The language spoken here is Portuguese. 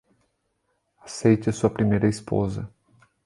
Aceite sua primeira esposa.